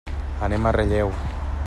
Anem a Relleu.